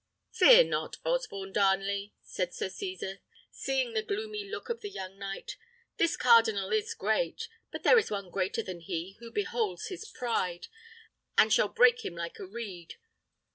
"Fear not, Osborne Darnley," said Sir Cesar, seeing the gloomy look of the young knight. "This cardinal is great, but there is one greater than he, who beholds his pride, and shall break him like a reed.